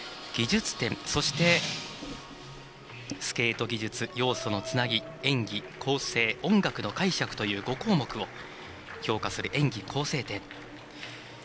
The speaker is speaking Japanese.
技術点、そしてスケート技術要素のつなぎ演技構成、音楽の解釈という５項目を評価する演技構成点。